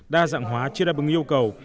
đa dạng hóa chưa đáp ứng yêu cầu